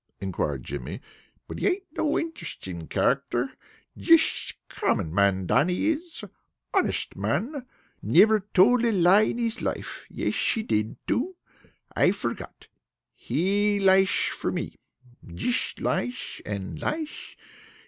inquired Jimmy. "But he ain't no interesting character. Jisht common man, Dannie is. Honest man. Never told a lie in his life. Yesh, he did, too. I forgot. He liesh for me. Jish liesh and liesh.